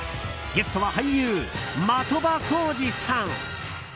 ゲストは俳優・的場浩司さん。